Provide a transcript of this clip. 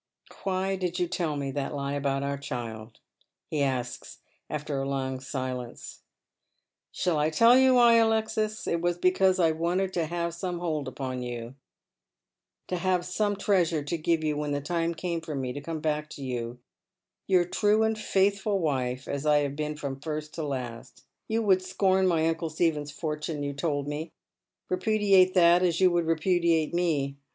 " Why did you tell me that lie about our child ?" he asks, after A long silence. " Shall I tell you why, Alexis ? It was because I wanted to have some hold upon you ; to have some ti'caaure to give you when the time came for me to come back to you, your truo and faithful wife as I have been from first to last. You would scorn my uncle Stephen's fortune, you told me — repudiate that as you would repudiate me.